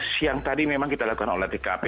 siang tadi memang kita lakukan olah tkp